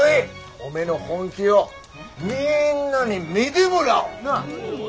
おめえの本気をみんなに見てもらおう。